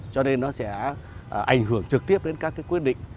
cho nên nó sẽ ảnh hưởng trực tiếp đến các cái quyết định